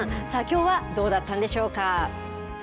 さあきょうはどうだったのでしょうか。